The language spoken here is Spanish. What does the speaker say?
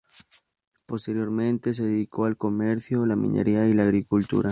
Posteriormente se dedicó al comercio, la minería y la agricultura.